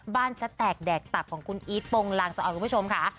บ้านสแตกแดกตับของคุณอีทปงลังสอบคุณผู้ชมค่ะ